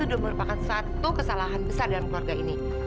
sudah merupakan satu kesalahan besar dalam keluarga ini